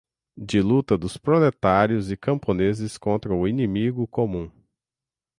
de luta dos proletários e camponeses contra o inimigo comum